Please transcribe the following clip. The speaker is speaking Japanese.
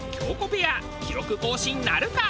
ペア記録更新なるか？